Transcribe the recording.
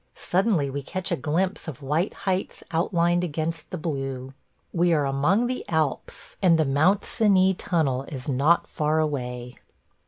Suddenly we catch a glimpse of white heights outlined against the blue – we are among the Alps, and the Mount Cenis tunnel is not far away.